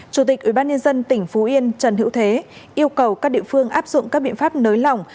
chủ tịch ubnd tỉnh phú yên trần hữu thế yêu cầu các địa phương áp dụng các biện pháp nới lỏng